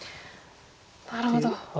なるほど。